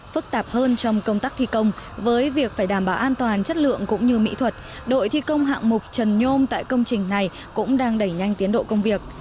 phức tạp hơn trong công tác thi công với việc phải đảm bảo an toàn chất lượng cũng như mỹ thuật đội thi công hạng mục trần nhôm tại công trình này cũng đang đẩy nhanh tiến độ công việc